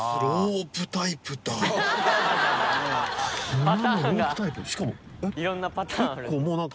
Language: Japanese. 綱のロープタイプしかも。